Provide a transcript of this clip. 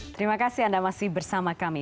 terima kasih anda masih bersama kami